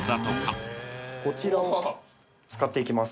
こちらを使っていきます。